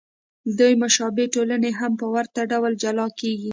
دوې مشابه ټولنې هم په ورته ډول جلا کېږي.